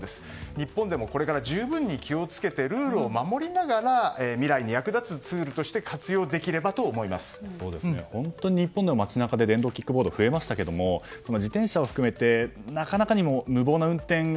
日本でもこれから十分に気を付けてルールを守りながら未来に役立つツールとして本当に日本でも街中で電動キックボード増えましたけれども自転車を含めてなかなか無謀な運転が